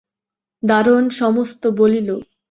দরোয়ান সমস্ত বলিল।